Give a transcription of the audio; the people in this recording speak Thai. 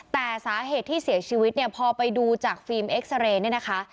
แต่สาเหตุที่เสียชีวิตเนี่ยพอไปดูจากฟิล์มเอ็กซาเรย์เนี่ยนะคะ